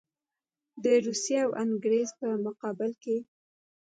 د روسیې او انګرېز په مقابل کې.